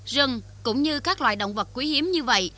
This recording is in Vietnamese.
rừng cũng như các loài động vật quý hiếm như vậy